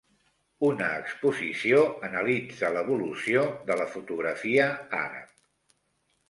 Una exposició analitza l'evolució de la fotografia àrab